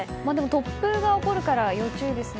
突風が起こるから要注意ですね。